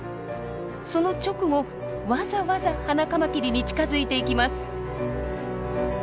その直後わざわざハナカマキリに近づいていきます。